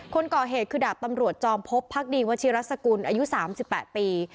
คนก่อเหตุคือดาบตำรวจจอมพบพักดีวัชิรัสกุลอายุ๓๘ปี